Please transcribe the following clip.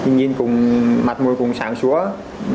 nhìn mặt môi cũng sáng sủa